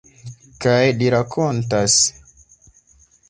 Kaj li rakontas.